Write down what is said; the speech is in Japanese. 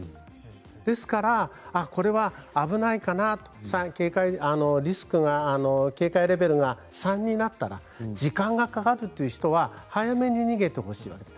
ですから、これは危ないかな警戒レベルが３になったら時間がかかるという人は早めに逃げてほしいわけです。